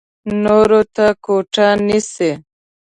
نورو ته ګوته نیسي.